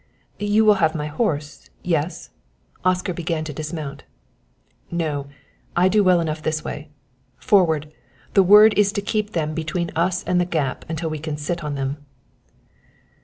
"You will have my horse yes?" Oscar began to dismount. "No; I do well enough this way. Forward! the word is to keep them between us and the gap until we can sit on them."